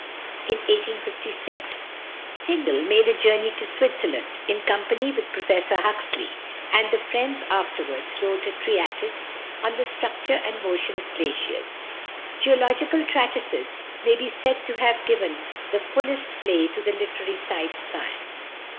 In 1856 Tyndall made a journey to Switzerland, in company with Professor Huxley, and the friends afterwards wrote a treatise "On the Structure and Motion of Glaciers." Geological treatises may be said to have given the fullest play to the literary side of science.